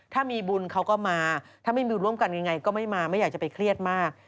ถ้ามีบุญเขาก็มาถ้าไม่มีบุญร่วมกันยังไงก็ไม่มาไม่อยากจะไปเครียดมาก